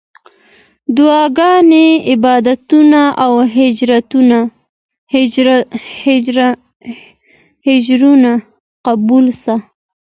دعاګانې، عبادتونه او حجونه قبول سه.